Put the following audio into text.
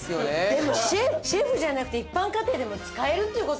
でもシェフじゃなくて一般家庭でも使えるっていう事ですよね？